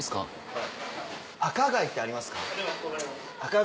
はい。